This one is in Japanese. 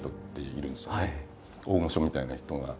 大御所みたいな人が。